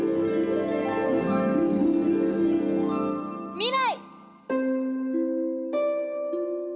未来！